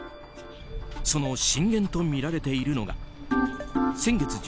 その震源とみられているのが先月１７